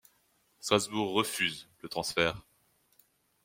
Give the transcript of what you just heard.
Strasbourg refuse le transfert.